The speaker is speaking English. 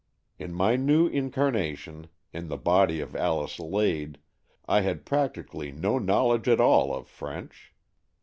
In my new incarnation, in the body of Alice Lade, I had practically no know ledge at all of French.